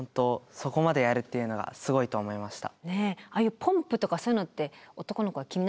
そこまでやるっていうのがすごいと思いました。